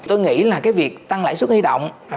tôi nghĩ là cái việc tăng lãi suất huy động